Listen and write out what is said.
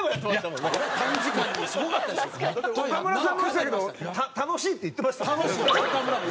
岡村さんも言ってたけど楽しいって言ってましたもんね。